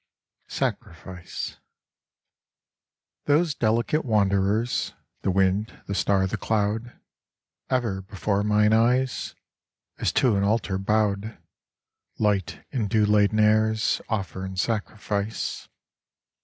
55 jtetriffct THOSE delicate wanderers, The wind, the star, the cloud, Ever before mine eyes, As to an altar bowed, Light and dew laden airs Offer in sacrifice.